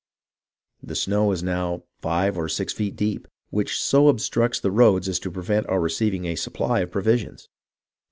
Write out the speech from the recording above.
... The snow is now five or six feet deep, which so obstructs the roads as to prevent our receiving a supply of provisions."